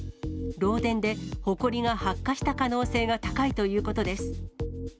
漏電でほこりが発火した可能性が高いということです。